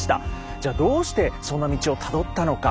じゃあどうしてそんな道をたどったのか。